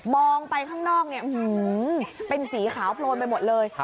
มองไปข้างนอกเป็นสีขาวโพลนไปหมดเลย